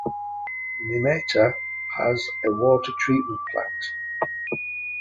Nimeta has a water treatment plant.